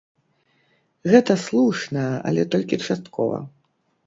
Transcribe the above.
Гэта слушна, але толькі часткова.